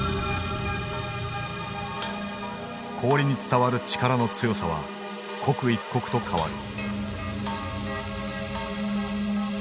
氷に伝わる力の強さは刻一刻と変わる。